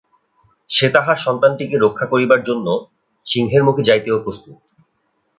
সে তাহার সন্তানটিকে রক্ষা করিবার জন্য সিংহের মুখে যাইতেও প্রস্তুত।